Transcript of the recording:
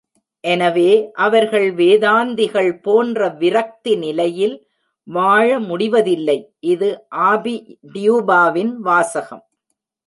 எனவே, அவர்கள் வேதாந்திகள் போன்ற விரக்தி நிலையில் வாழ முடிவதில்லை! இது ஆபி டியூபாவின் வாசகம்.